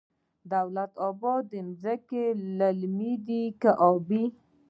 دولت اباد ځمکې للمي دي که ابي؟